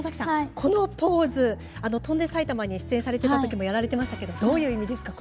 このポーズ「翔んで埼玉」に出演されていたとに、やられていましたけれどもどんなポーズなんですか。